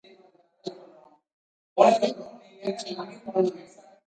He also was impressive physically, never losing a boxing match.